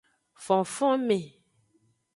Fofonme.